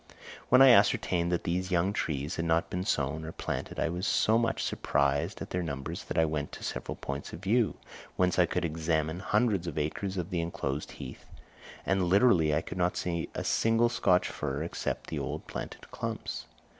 When I ascertained that these young trees had not been sown or planted I was so much surprised at their numbers that I went to several points of view, whence I could examine hundreds of acres of the unenclosed heath, and literally I could not see a single Scotch fir, except the old planted clumps.